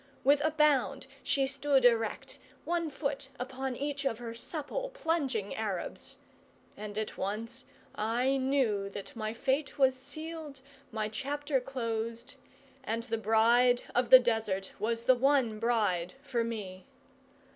With a bound she stood erect, one foot upon each of her supple, plunging Arabs; and at once I knew that my fate was sealed, my chapter closed, and the Bride of the Desert was the one bride for me.